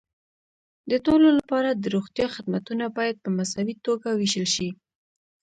د ټولو لپاره د روغتیا خدمتونه باید په مساوي توګه وېشل شي.